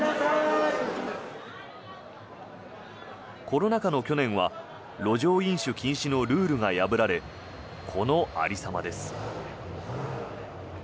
コロナ禍の去年は路上飲酒禁止のルールが破られこの有り様です。